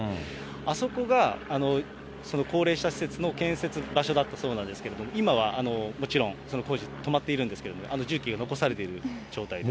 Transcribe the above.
あそこがその高齢者施設の建設場所だったそうなんですけれども、今はもちろん、その工事、止まっているんですけど、重機が残されている状態です。